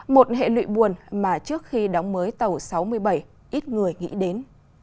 một hệ lụy buồn mà trước khi đóng mới tàu sáu mươi bảy ít người nghĩ đến